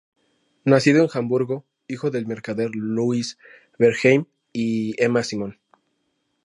Nacido en Hamburgo, hijo del mercader Louis Bernheim y Emma Simon.